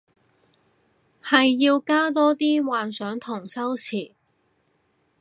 係要加多啲幻想同修辭